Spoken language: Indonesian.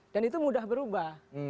dan itu mudah berubah